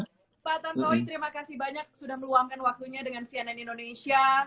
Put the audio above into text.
pak tantowi terima kasih banyak sudah meluangkan waktunya dengan cnn indonesia